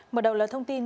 mở đầu lời thông tin